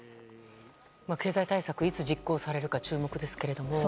経済対策いつ実行されるか注目ですが。